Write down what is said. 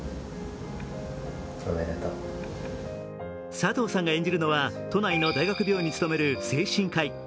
佐藤さんが演じるのは都内の大学病院に勤める精神科医。